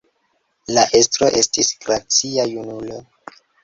La estro estis gracia junulo.